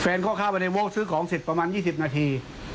แฟนก็ข้าวไปในโว๊กซื้อของจิตประมาณ๒๐นาที